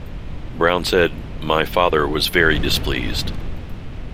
Brown said, My father was very displeased.